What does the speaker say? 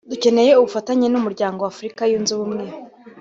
Dukeneye ubufatanye bw’umuryango wa Africa yunze ubumwe